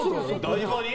台場に？